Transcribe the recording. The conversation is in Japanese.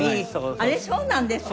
あれそうなんですか？